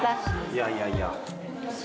いやいやいや。